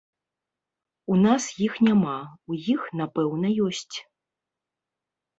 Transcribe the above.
У нас іх няма, у іх, напэўна, ёсць.